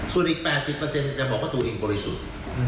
ส่วนอีก๘๐จะบอกว่าตัวเองบริสุทธิ์